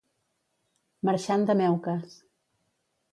Marxant de meuques.